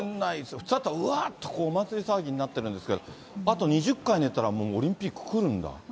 普通だったら、わっとお祭り騒ぎになってるんですけど、あと２０回寝たらもうオリンピック来るんだ。